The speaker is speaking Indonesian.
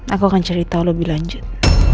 aku akan cerita lebih lanjut